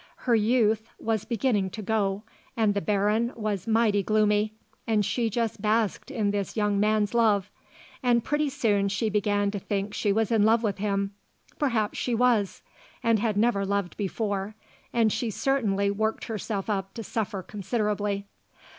Her youth was beginning to go, and the Baron was mighty gloomy, and she just basked in this young man's love, and pretty soon she began to think she was in love with him perhaps she was and had never loved before, and she certainly worked herself up to suffer considerably.